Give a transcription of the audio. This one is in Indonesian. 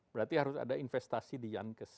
berarti harus ada investasi di yankes